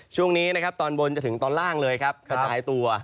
ช่วงนี้ตอนบนถึงตอนล่างเลยครับหลายตัว